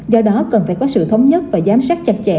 do đó cần phải có sự thống nhất và giám sát chặt chẽ